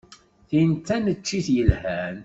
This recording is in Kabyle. Tin d taneččit yelhan.